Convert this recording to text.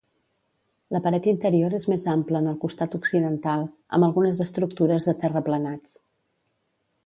La paret interior és més ampla en el costat occidental, amb algunes estructures de terraplenats.